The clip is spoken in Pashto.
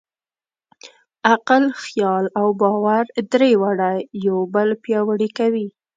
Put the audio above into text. عقل، خیال او باور؛ درې واړه یو بل پیاوړي کوي.